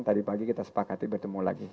tadi pagi kita sepakati bertemu lagi